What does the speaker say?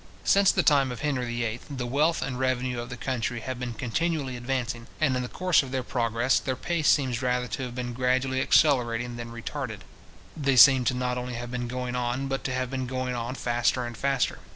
Since the time of Henry VIII. the wealth and revenue of the country have been continually advancing, and in the course of their progress, their pace seems rather to have been gradually accelerated than retarded. They seem not only to have been going on, but to have been going on faster and faster.